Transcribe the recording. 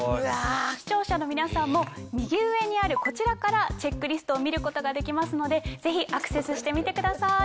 視聴者の皆さんも右上にあるこちらからチェックリストを見ることができますのでぜひアクセスしてみてください。